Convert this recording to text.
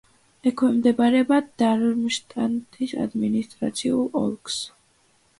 ექვემდებარება დარმშტადტის ადმინისტრაციულ ოლქს.